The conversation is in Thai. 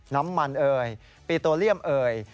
น้ำมันเอ่ยปิโตเลียมเอ่ย